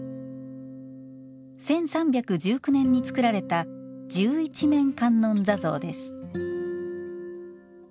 １３１９年に造られた十一面観音坐像です。